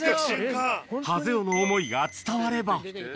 ハゼ雄の思いが伝われば・